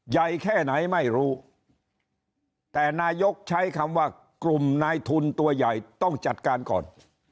ใหญ่แค่ไหนไม่รู้แต่นายกใช้คำว่ากลุ่มนายทุนตัวใหญ่ต้องจัดการก่อน